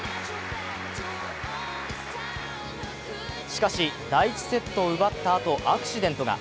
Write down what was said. しかし第１セットを奪ったあとアクシデントが。